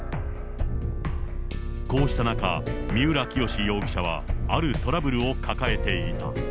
こうした中、三浦清志容疑者は、あるトラブルを抱えていた。